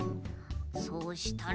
そうしたら。